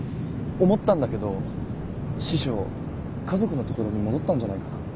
思ったんだけど師匠家族のところに戻ったんじゃないかな？